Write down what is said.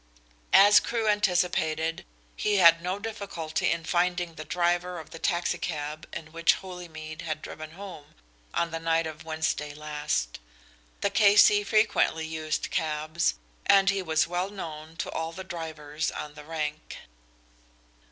As Crewe anticipated, he had no difficulty in finding the driver of the taxi cab in which Holymead had driven home on the night of Wednesday last. The K.C. frequently used cabs, and he was well known to all the drivers on the rank.